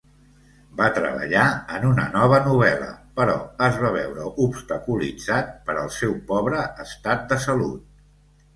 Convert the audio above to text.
Va treballar en una nova novel·la, però es va veure obstaculitzat per al seu pobre estat de salut.